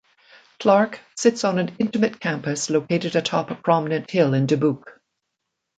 Clarke sits on an intimate campus located atop a prominent hill in Dubuque.